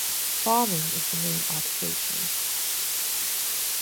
Farming is the main occupation.